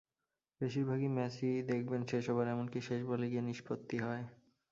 বেশির ভাগই ম্যাচই দেখবেন শেষ ওভার, এমনকি শেষ বলে গিয়ে নিষ্পত্তি হয়।